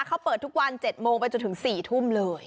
เขาเปิดทุกวัน๗โมงไปจนถึง๔ทุ่มเลย